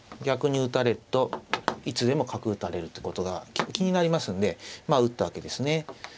逆に打たれるといつでも角打たれるってことが気になりますんで打ったわけですね。